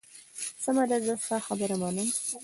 سمه ده، زه ستا خبره منم.